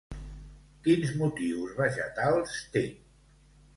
Quins motius vegetals té?